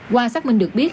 qua xác minh được biết